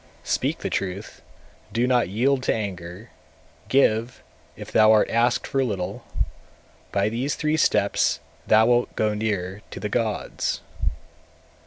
224. Speak the truth, do not yield to anger; give, if thou art asked for little; by these three steps thou wilt go near the gods.